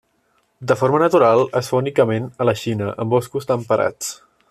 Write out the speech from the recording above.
De forma natural es fa únicament a la Xina, en boscos temperats.